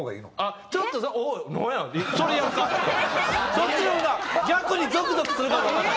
そっちの方が逆にゾクゾクするかもわからん。